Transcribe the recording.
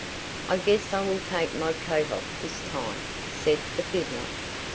"I guess I will take my coat off this time," said the fiddler.